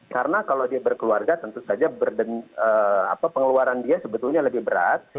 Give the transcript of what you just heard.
karena kalau dia berkeluarga tentu saja pengeluaran dia sebetulnya lebih berat